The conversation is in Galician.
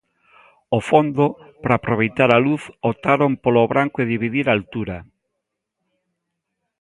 Ao fondo, para aproveitar a luz, optaron polo branco e dividir a altura.